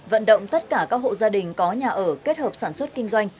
vận động tất cả các hộ gia đình có nhà ở kết hợp sản xuất kinh doanh